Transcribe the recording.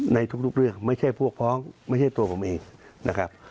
ในทุกเรื่องไม่ใช่พวกพ้องไม่ใช่ตัวผมเองนะครับ